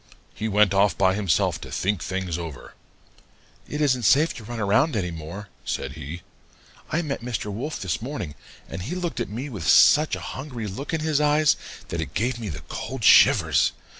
He went off by himself to think things over. 'It isn't safe to run around any more,' said he. 'I met Mr. Wolf this morning, and he looked at me with such a hungry look in his eyes that it gave me the cold shivers.